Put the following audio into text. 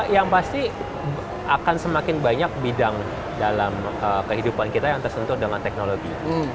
yang pasti akan semakin banyak bidang dalam kehidupan kita yang tersentuh dengan teknologi